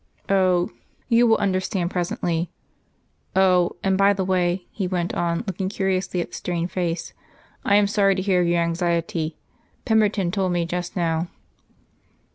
Oh, you will understand presently. Oh, and by the way," he went on, looking curiously at the strained face, "I am sorry to hear of your anxiety. Pemberton told me just now."